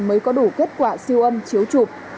mới có đủ kết quả siêu ân chiếu chụp